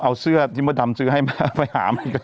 เอาเสื้อที่มดำซื้อไปหามันก็กลับไป